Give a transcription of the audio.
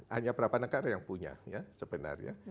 hanya berapa negara yang punya ya sebenarnya